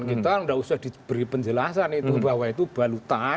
kita tidak usah diberi penjelasan itu bahwa itu balutan